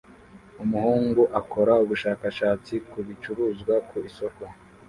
Umuhungu akora ubushakashatsi ku bicuruzwa ku isoko